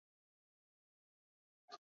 楚平王担心。